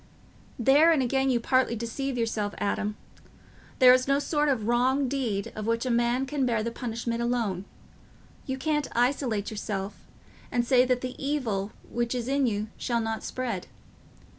"There again you partly deceive yourself, Adam. There is no sort of wrong deed of which a man can bear the punishment alone; you can't isolate yourself and say that the evil which is in you shall not spread.